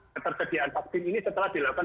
ketersediaan vaksin ini setelah dilakukan